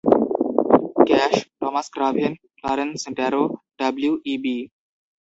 Cash, Thomas Craven, Clarence Darrow, W. E. B.